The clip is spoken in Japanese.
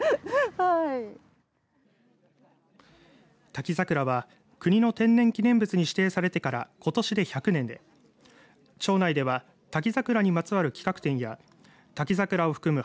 滝桜は、国の天然記念物に指定されてからことしで１００年で町内では滝桜にまつわる企画展や滝桜を含む